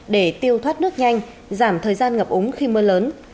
để tiêu thoát nước nhanh giảm thời gian ngập úng khi mưa lớn